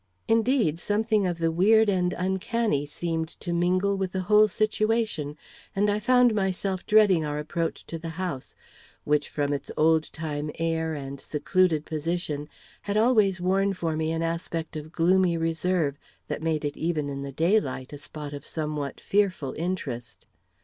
Indeed, something of the weird and uncanny seemed to mingle with the whole situation, and I found myself dreading our approach to the house, which from its old time air and secluded position had always worn for me an aspect of gloomy reserve, that made it even in the daylight, a spot of somewhat fearful interest.